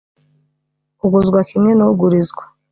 uguzwa kimwe n’ugurizwa,